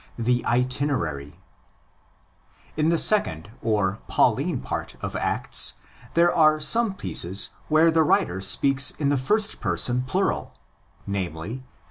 The Itanerary. In the second or Pauline part of Acts there are some pieces where the writer speaks in the first person plural—namely, xvi.